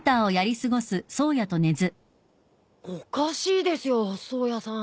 ・おかしいですよ颯也さん。